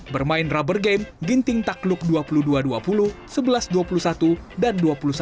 bermain rubber game ginting takluk dua puluh dua dua puluh sebelas dua puluh satu dan dua puluh satu enam belas